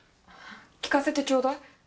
聞かせてちょうだい。